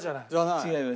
違います。